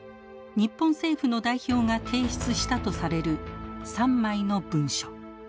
日本政府の代表が提出したとされる３枚の文書。